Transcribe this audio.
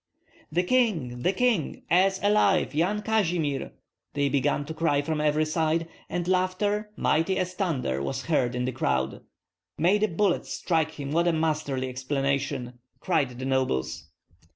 "The king! the king! As alive! Yan Kazimir!" they began to cry from every side; and laughter, mighty as thunder, was heard in the crowd. "May the bullets strike him, what a masterly explanation!" cried the nobles.